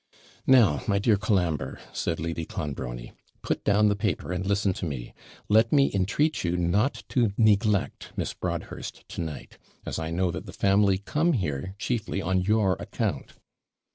'Now, my dear Colambre,' said Lady Clonbrony, 'put down the paper, and listen to me. Let me entreat you not to neglect Miss Broadhurst to night, as I know that the family come here chiefly on your account.'